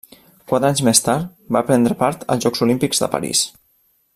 Quatre anys més tard va prendre part als Jocs Olímpics de París.